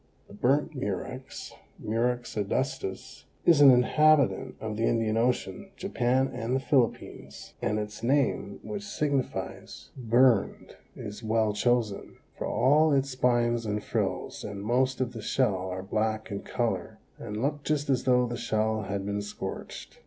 The Burnt Murex (Murex adustus), is an inhabitant of the Indian Ocean, Japan and the Philippines, and its name, which signifies burned, is well chosen, for all its spines and frills and most of the shell are black in color and look just as though the shell had been scorched.